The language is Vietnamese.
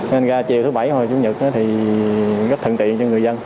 nên ra chiều thứ bảy hồi chủ nhật thì rất thận tiện cho người dân